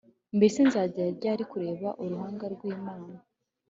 mbese nzajya ryari kureba uruhanga rw'imana